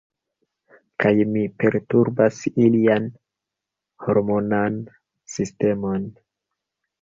Kaj mi perturbas ilian hormonan sistemon.